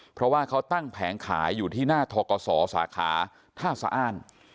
เพราะว่าเขาตั้งแผงขายอยู่ที่หน้าทกศสาขาท่าสะอ้าน